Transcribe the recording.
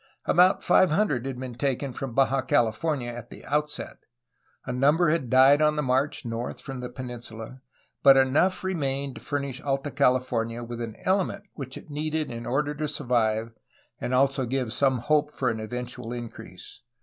About five hundred had been taken from Baja California at the outset. A number had died on the march north from the peninsula, but enough remained to furnish Alta California with an element which it needed in order to survive and also to give some hope for an eventual increase.